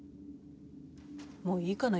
もういいかな？